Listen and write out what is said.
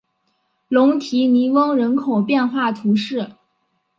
龙提尼翁人口变化图示